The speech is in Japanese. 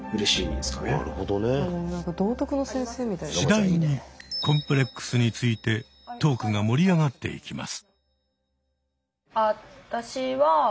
次第にコンプレックスについてトークが盛り上がっていきます。